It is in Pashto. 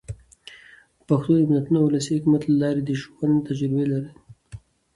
پښتو د متلونو او ولسي حکمتونو له لاري د ژوند تجربې را لېږدوي.